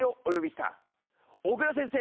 小椋先生